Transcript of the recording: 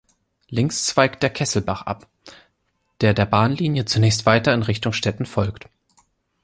Links zweigt der "Kesselbach" ab, der der Bahnlinie zunächst weiter in Richtung Stetten folgt.